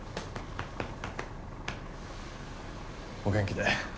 お元気で。